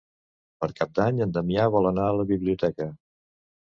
Per Cap d'Any en Damià vol anar a la biblioteca.